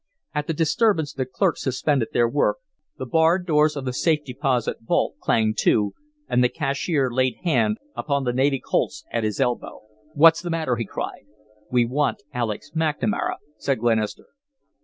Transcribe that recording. At the disturbance the clerks suspended their work, the barred doors of the safe deposit vault clanged to, and the cashier laid hand upon the navy Colt's at his elbow. "What's the matter?" he cried. "We want Alec McNamara," said Glenister.